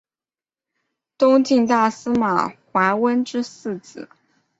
东晋大司马桓温之四子。